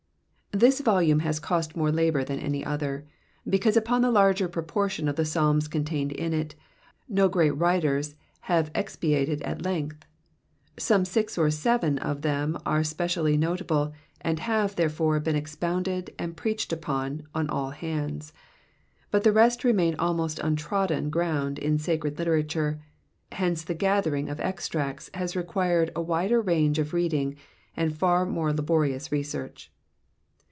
This volume has cost more labour than any other, because upon the larger proportion of the Psalms contained in it no great writers have expatiated at length. Some six or seven of them are specially notable, and have, therefore, been expounded and preached upon on all hands, but the rest remain almost untrodden ground in sacred literature, hence the gathering of extracts has required a wider range of reading and far more laborious research.